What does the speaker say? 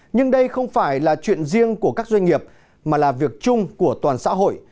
nhưng đây không phải là chuyện riêng của các doanh nghiệp mà là việc chung của toàn xã hội